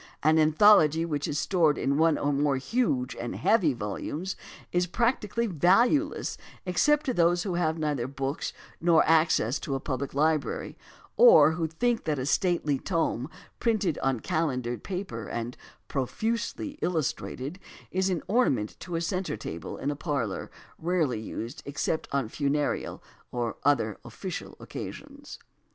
An anthology which is stored in one or more huge and heavy volumes is practically valueless except to those who have neither books nor access to a pubUc library, or who think that a stately tome printed on calendered paper and "profusely illustrated" is an ornament to a centre table in a parlor rarely used except on funereal or other official occasions.